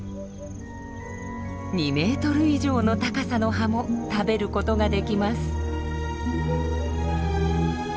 ２メートル以上の高さの葉も食べることができます。